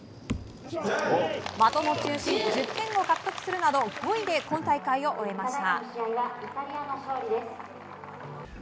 的の中心１０点を獲得するなど５位で今大会を終えました。